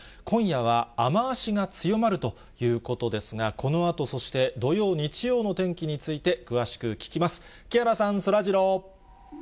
今夜は雨足が強まるということですが、このあと、そして土曜、日曜の天気について、詳しく聞きます。